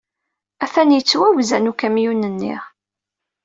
Atan yettwawzan ukamyun-nni.